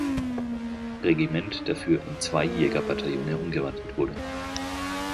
Regiment dafür in zwei Jäger-Bataillone umgewandelt wurde.